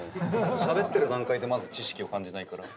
しゃべってる段階でまず知識を感じないから。